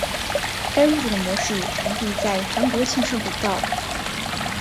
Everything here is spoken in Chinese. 该物种的模式产地在韩国庆尚北道。